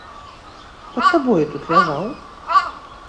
Пад табою тут ляжаў?